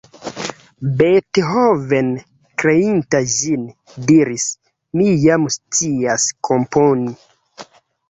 Beethoven, kreinta ĝin, diris: "Mi jam scias komponi".